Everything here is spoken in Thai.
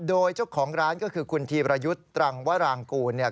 โดยเจ้าของร้านก็คือคุณธีรยุทธ์ตรังวรางกูลเนี่ย